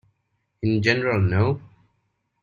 In general, no.